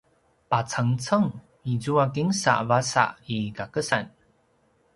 pacengceng izua kinsa vasa i kakesan